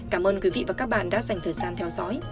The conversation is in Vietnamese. cảm ơn quý vị và các bạn đã dành thời gian theo dõi